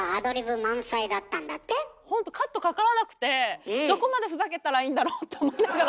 ほんとカットかからなくてどこまでふざけたらいいんだろうと思いながら。